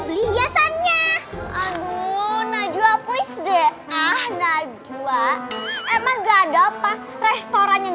beli hiasannya aduh najwa polis deh ah najwa emang nggak ada apa restoran yang